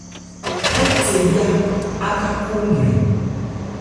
Ɛ́ the yá áka khúúnbrɛn.